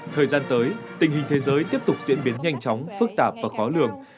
thời gian tới tình hình thế giới tiếp tục diễn biến nhanh chóng phức tạp và khó lường